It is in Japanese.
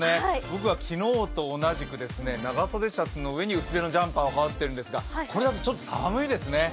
僕は昨日と同じく長袖シャツに薄手のジャンパーを羽織っているんですがこれだとちょっと寒いですね。